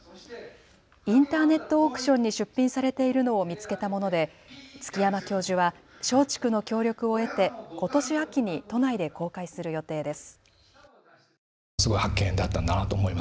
インターネットオークションに出品されているのを見つけたもので築山教授は松竹の協力を得てことし秋に都内で公開する予定です。